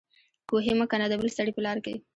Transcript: کوهي مه کنه د بل سړي په لار کې